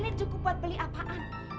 ini cukup buat beli apaan